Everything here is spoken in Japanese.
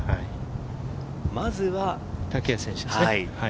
まずは竹谷選手ですね。